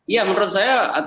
ya menurut saya